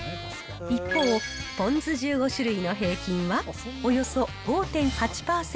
一方、ポン酢１５種類の平均はおよそ５．８％。